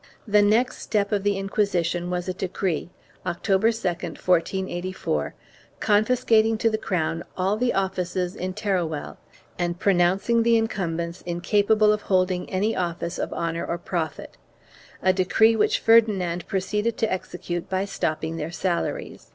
The next step of the Inquisition was a decree, October 2, 1484, confiscating to the crown all the offices in Teruel and pronouncing the incumbents incapable of holding any office of honor or profit — a decree which Ferdinand proceeded to execute by stopping their salaries.